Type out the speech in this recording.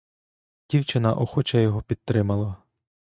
Дівчина охоче його підтримала.